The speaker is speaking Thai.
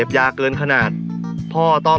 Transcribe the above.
แบบนี้ก็ได้